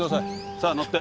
さぁ乗って。